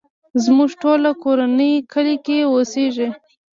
زموږ ټوله کورنۍ کلی کې اوسيږې.